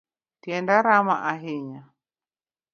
Tienda rama ahinya